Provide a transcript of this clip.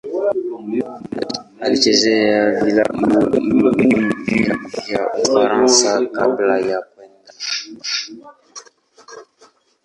Alichezea vilabu viwili vya Ufaransa kabla ya kwenda Arsenal.